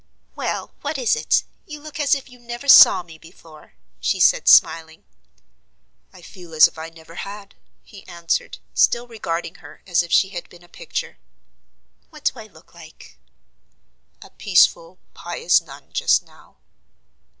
"Well, what is it? You look as if you never saw me before," she said, smiling. "I feel as if I never had," he answered, still regarding her as if she had been a picture. "What do I look like?" "A peaceful, pious nun, just now."